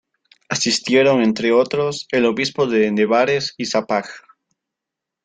Asistieron, entre otros, el obispo De Nevares y Sapag.